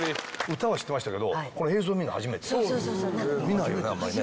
歌は知ってましたけど見ないよねあんまりね。